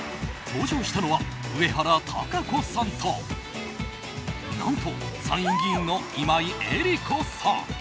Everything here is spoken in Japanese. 登場したのは上原多香子さんと何と参院議員の今井絵理子さん。